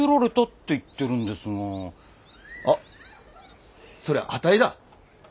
あっそれあたいだ。